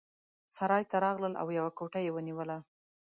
سرای ته راغلل او یوه کوټه یې ونیوله.